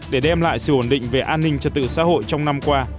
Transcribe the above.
để đem lại sự ổn định về an ninh trật tự xã hội trong năm qua